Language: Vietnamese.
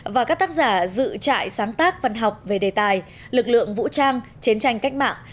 và các tác giả dự trại sáng tác văn học về đề tài lực lượng vũ trang chiến tranh cách mạng